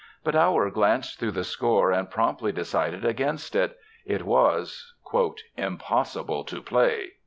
But Auer glanced through the score and promptly decided against it. It was "impossible to play."